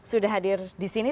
sudah hadir disini